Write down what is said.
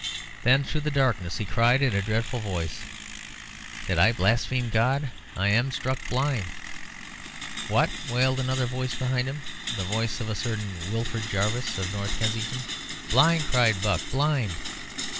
Then through the darkness he cried in a dreadful voice "Did I blaspheme God? I am struck blind." "What?" wailed another voice behind him, the voice of a certain Wilfred Jarvis of North Kensington. "Blind!" cried Buck; "blind!"